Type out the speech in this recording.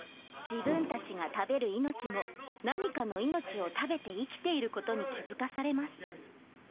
自分たちが食べる命も、何かの命を食べて生きていることに気付かされます。